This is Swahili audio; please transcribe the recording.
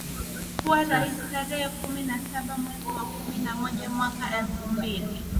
kuwa rais tarehe kumi na saba mwezi wa kumi na moja mwaka elfu mbili